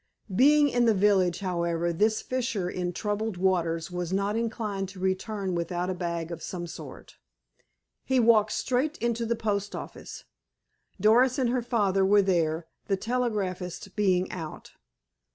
Being in the village, however, this fisher in troubled waters was not inclined to return without a bag of some sort. He walked straight into the post office. Doris and her father were there, the telegraphist being out.